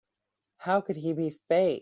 How could he be a fake?